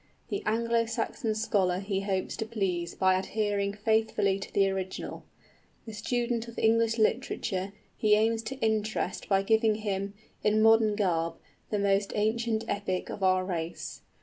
The Anglo Saxon scholar he hopes to please by adhering faithfully to the original. The student of English literature he aims to interest by giving him, in modern garb, the most ancient epic of our race.